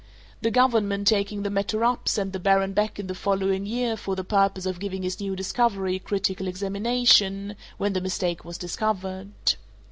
The government, taking the matter up, sent the baron back in the following year for the purpose of giving his new discovery a critical examination, when the mistake was discovered.